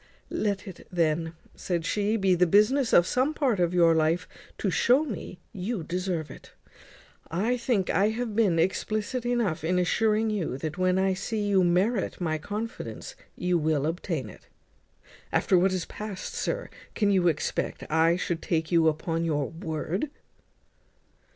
"Let it then," said she, "be the business of some part of your life to shew me you deserve it. I think I have been explicit enough in assuring you, that, when I see you merit my confidence, you will obtain it. After what is past, sir, can you expect I should take you upon your word?"